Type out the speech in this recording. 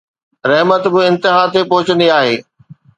رحمت به انتها تي پهچندي آهي